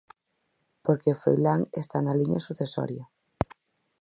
Porque Froilán está na liña sucesoria.